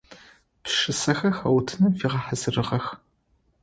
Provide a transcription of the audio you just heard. Пшысэхэр хэутыным фигъэхьазырыгъэх.